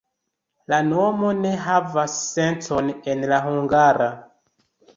La nomo ne havas sencon en la hungara.